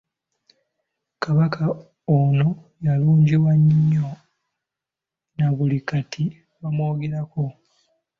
Kabaka ono yalungiwa nnyo, na buli kati bamwogerako.